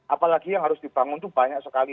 apalagi yang harus dibangun itu banyak sekali